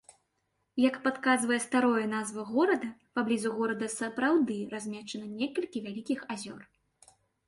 Як падказвае старое назва горада, паблізу горада сапраўды размешчаны некалькі вялікіх азёр.